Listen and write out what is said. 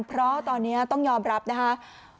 เพราะตอนนี้ต้องยอมรับนะครับ